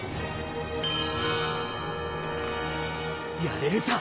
やれるさ！